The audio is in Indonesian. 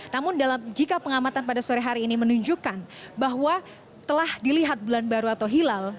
namun jika pengamatan pada sore hari ini menunjukkan bahwa telah dilihat bulan baru atau hilal